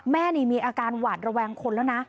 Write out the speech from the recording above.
แม่นี่มีอาการหวาดระแวงคนแล้วนะ